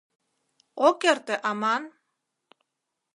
Ок эрте аман?